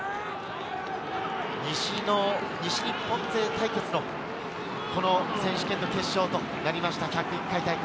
西日本勢対決のこの選手権の決勝ということになりました、１０１回大会。